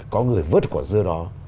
có người vớt quả dưa đó